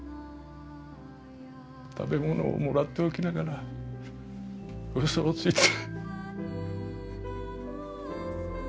食べ物をもらっておきながらウソをついて。